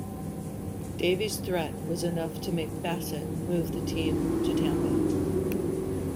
Davey's threat was enough to make Bassett move the team to Tampa.